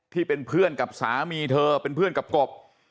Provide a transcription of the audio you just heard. ที่เป็นเพื่อนกับสามีเธอเป็นเพื่อนกับกบ